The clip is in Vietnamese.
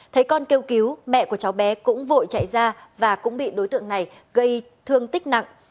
thấy con kêu cứu mẹ của cháu bé cũng vội chạy ra và cũng bị đối tượng này gây thương tích nặng